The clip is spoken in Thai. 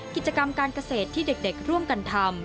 กิจกรรมการเกษตรที่เด็กร่วมกันทำ